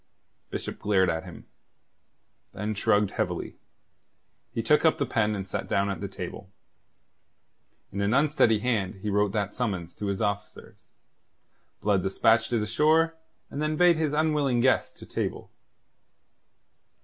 Bishop glared at him; then shrugging heavily, he took up the pen and sat down at the table. In an unsteady hand he wrote that summons to his officers. Blood despatched it ashore; and then bade his unwilling guest to table.